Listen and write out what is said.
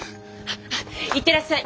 いってらっしゃい！